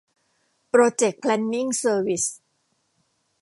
โปรเจค แพลนนิ่ง เซอร์วิส